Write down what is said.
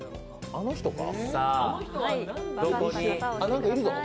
あの人か？